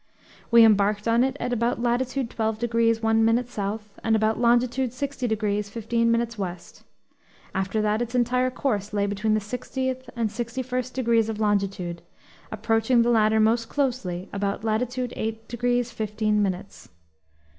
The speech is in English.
We embarked on it at about latitude 12 degrees 1 minute south, and about longitude 60 degrees 15 minutes west. After that its entire course lay between the 60th and 61st degrees of longitude, approaching the latter most closely about latitude 8 degrees 15 minutes.